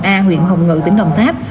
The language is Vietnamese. hậu a huyện hồng ngự tỉnh đồng tháp